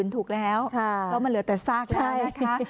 ถูกแล้วเพราะว่ามันเหลือแต่ซากก็ได้นะคะ